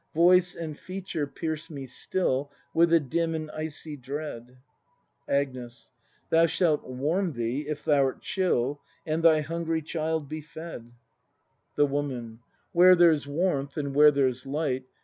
] Voice and feature pierce me still With a dim and icy dread. Agnes. Thou shalt warm thee, if thou'rt chill; And thy hungry child be fed. 202 BRAND [act iv The Woman. Where there's warmth and where there's light.